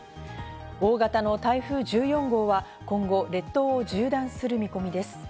大型の台風１４号は今後、列島を縦断する見込みです。